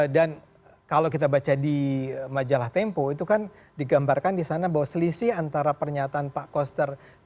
dan kalau kita baca di majalah tempo itu kan digambarkan di sana bahwa selisih antara pernyataan pak koster ke pak ganjar